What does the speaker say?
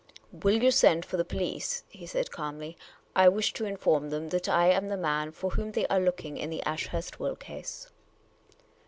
"Will you send for the police ?" he said, calmly. " I wish to inform them that I am the man for whom they are looking in the Ashurst will case."